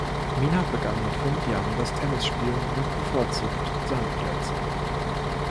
Mina begann mit fünf Jahren das Tennisspielen und bevorzugt Sandplätze.